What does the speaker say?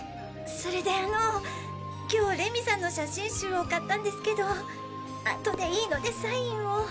それであの今日礼美さんの写真集を買ったんですけど後でいいのでサインを。